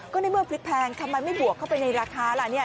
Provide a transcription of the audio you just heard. ก็ในเมื่อพริกแพงทำไมไม่บวกเข้าไปในราคาล่ะเนี่ย